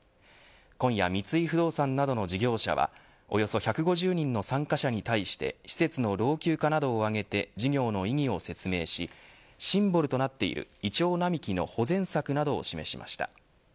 今夜、三井不動産などの事業者はおよそ１５０人の参加者に対して施設の老朽化などを挙げて事業の意義を説明しシンボルとなっているイチョウ並木の保全策などを示しました。